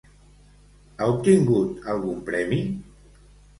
Ha obtingut algun premi?